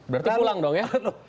berarti pulang dong ya